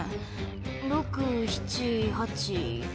６・７・８・９。